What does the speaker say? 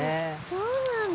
そうなんだ。